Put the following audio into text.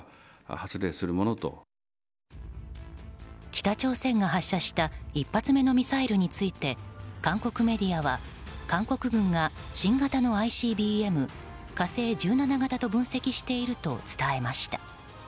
北朝鮮が発射した１発目のミサイルについて韓国メディアは韓国軍が新型のＩＣＢＭ「火星１７型」と分析していると伝えました。